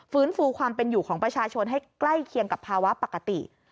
ฟูความเป็นอยู่ของประชาชนให้ใกล้เคียงกับภาวะปกติ